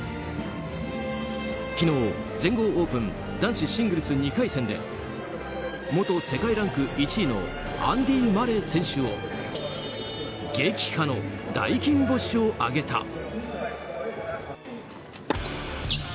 昨日、全豪オープン男子シングルス２回戦で元世界ランク１位のアンディ・マレー選手を撃破の大金星を挙げた。